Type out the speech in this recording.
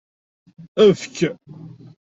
Efk.